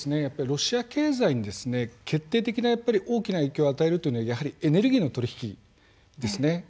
ロシア経済に決定的な大きな影響を与えるというのはやはりエネルギーの取引ですね。